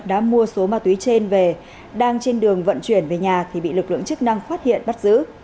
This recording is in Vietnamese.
đã mua số ma túy trên về đang trên đường vận chuyển về nhà thì bị lực lượng chức năng phát hiện bắt giữ